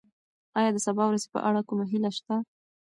ایا د سبا ورځې په اړه کومه هیله شته؟